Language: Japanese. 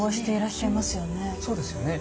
そうですよね。